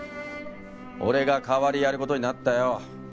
俺が代わりやる事になったよ。